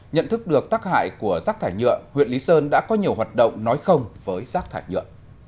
nhận thức được tác hại của rác thải nhựa huyện lý sơn đã có nhiều hoạt động nói không với rác thải nhựa